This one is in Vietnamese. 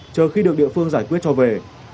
chờ khi được địa phương giải quyết cho về